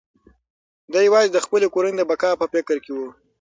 دی یوازې د خپلې کورنۍ د بقا په فکر کې و.